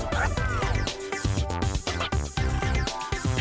กลับบ้านไม่ได้ไม่ได้